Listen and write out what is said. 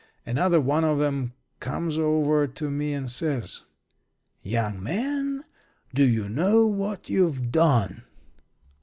Another one of 'em comes over to me and says: "'Young man, do you know what you've done?'